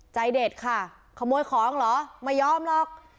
ใจเด็ดค่ะขโมยของเหรอไม่ยอมหรอก